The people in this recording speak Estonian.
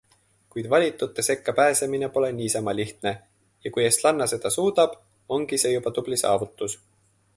Kuid valitute sekka pääsemine pole niisama lihtne ja kui eestlanna seda suudab, ongi see juba tubli saavutus.